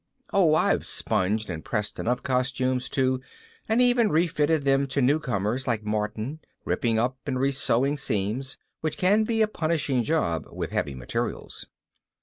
Oh, and I've sponged and pressed enough costumes, too, and even refitted them to newcomers like Martin, ripping up and resewing seams, which can be a punishing job with heavy materials.